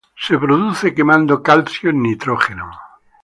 Se produce quemando calcio en nitrógeno.